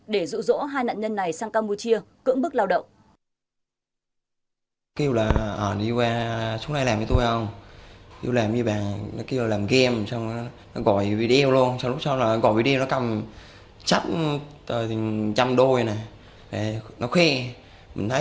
để rủ rỗ hai nạn nhân này sang campuchia